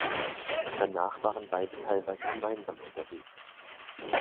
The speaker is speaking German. Danach waren beide teilweise gemeinsam unterwegs.